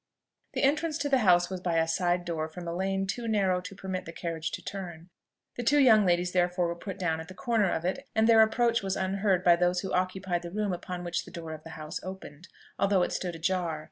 The entrance to the house was by a side door from a lane too narrow to permit the carriage to turn; the two young ladies therefore were put down at the corner of it, and their approach was unheard by those who occupied the room upon which the door of the house opened, although it stood ajar.